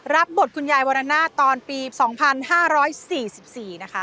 รับบทคุณยายวรรณาตอนปี๒๕๔๔นะคะ